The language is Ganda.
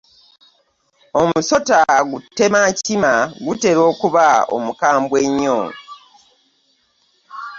Omusota gu ttemankima gutera okuba omukambwe ennyo.